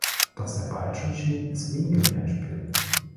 Doch sehr bald schon schien es weniger wie ein Spiel.